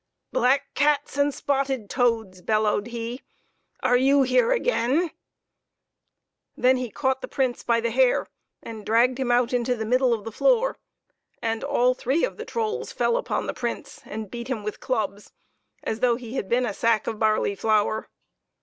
" Black cats and spotted toads !" bellowed he, " are you here again ?" Then he caught the Prince by the hair and dragged him out into the middle of the floor, and all three of the trolls fell upon the Prince and beat him with clubs, as though he had been a sack of barley flour.